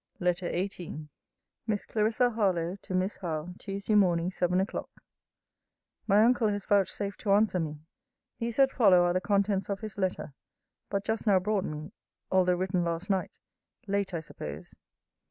LETTER XVII MISS CLARISSA HARLOWE, TO MISS HOWE TUESDAY MORNING, 7 O'CLOCK My uncle has vouchsafed to answer me. These that follow are the contents of his letter; but just now brought me, although written last night late I suppose.